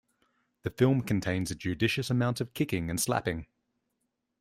The film contains a judicious amount of kicking and slapping.